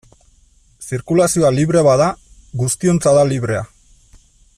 Zirkulazioa librea bada, guztiontzat da librea.